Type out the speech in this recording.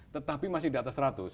tetapi masih di atas seratus